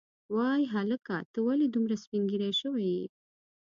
وای هلکه ته ولې دومره سپینږیری شوی یې.